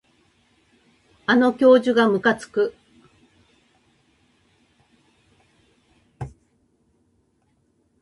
あの教授がむかつく